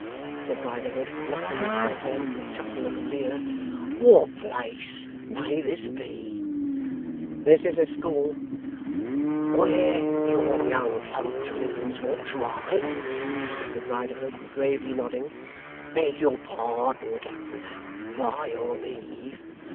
said Riderhood, knuckling his forehead, with a chuckle and a leer. 'What place may this be?' 'This is a school.' 'Where young folks learns wot's right?' said Riderhood, gravely nodding. 'Beg your pardon, governor! By your leave!